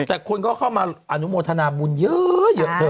แต่คุณก็เข้ามาอนุโมทนาบูรณ์เยอะเยอะเท่า